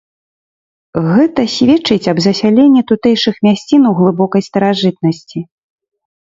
Гэта сведчыць об засяленні тутэйшых мясцін у глыбокай старажытнасці.